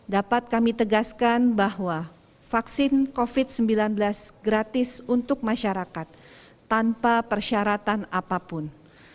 dapat kami tegaskan bahwa vaksin covid sembilan belas gratis untuk masyarakat tanpa persyaratan apapun